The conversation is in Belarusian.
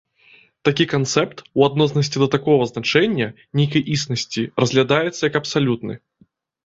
Такі канцэпт, у адноснасці да такога значэння, нейкай існасці, разглядаецца як абсалютны.